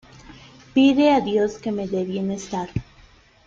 Pide a Dios que me de bienestar.